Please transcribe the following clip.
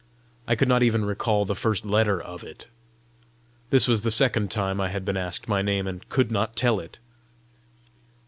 I could not even recall the first letter of it! This was the second time I had been asked my name and could not tell it!